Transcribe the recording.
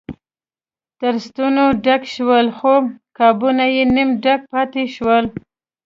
تر ستوني ډک شول خو قابونه یې نیم ډک پاتې شول.